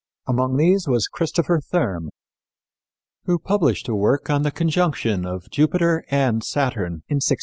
Among these was Christopher Thurm, who published a work on the conjunction of Jupiter and Saturn in 1681.